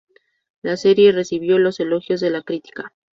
La serie recibió los elogios de la crítica.